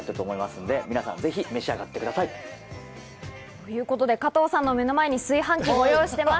ということで、加藤さんの目の前に炊飯器をご用意しています。